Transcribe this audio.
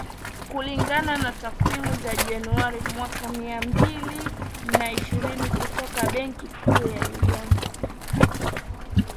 Kulingana na takwimu za Januari mwaka mia mbili na ishirini kutoka Benki Kuu ya Uganda.